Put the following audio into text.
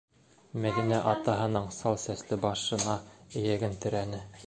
- Мәҙинә атаһының сал сәсле башына эйәген терәне.